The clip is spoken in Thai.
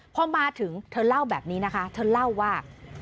พอมาถึงเธอเล่าแบบนี้นะคะเธอเล่าว่า